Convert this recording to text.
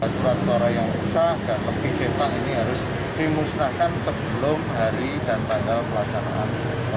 surat suara yang rusak dan lebih cepat ini harus dimusnahkan sebelum hari dan tanggal pelaksanaan